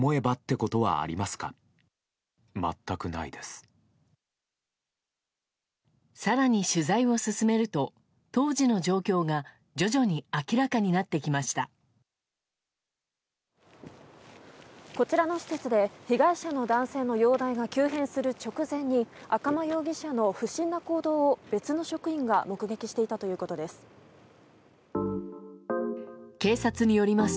こちらの施設で被害者の男性の容体が急変する直前に赤間容疑者の不審な行動を別の職員が目撃していたということです。